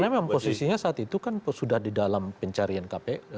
karena memang posisinya saat itu kan sudah di dalam pencarian kpk